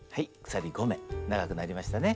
鎖５目長くなりましたね。